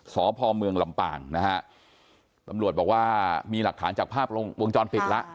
สพเมืองลำปางนะฮะตำรวจบอกว่ามีหลักฐานจากภาพวงจรปิดแล้ว